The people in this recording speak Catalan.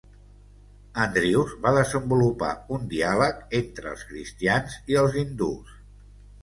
Andrews va desenvolupar un diàleg entre els cristians i el hindus.